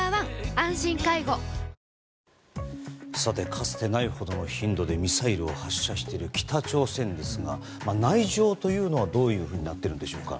かつてないほどの頻度でミサイルを発射している北朝鮮ですが内情というのはどういうふうになっているんでしょうか。